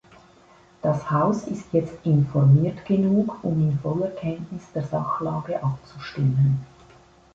Das Haus ist jetzt informiert genug, um in voller Kenntnis der Sachlage abzustimmen.